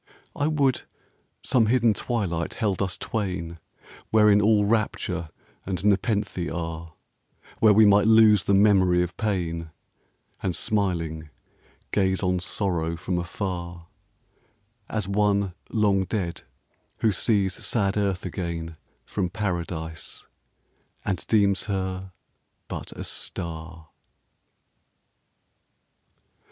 I would some hidden twilight held us twain Wherein all rapture and nepenthe are; Where we might lose the memory of Pain, And smiling, gaze on Sorrow from afar, As one long dead, who sees sad Earth again From Paradise, and deems her but a star.